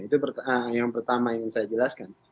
itu yang pertama ingin saya jelaskan